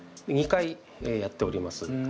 ２回やっております。